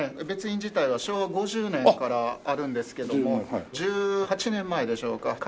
別院自体は昭和５０年からあるんですけども１８年前でしょうか